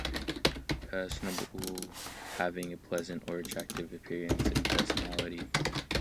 Personable - having a pleasant or attractive appearance and personality.